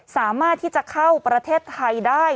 สามารถที่จะเข้าประเทศไทยได้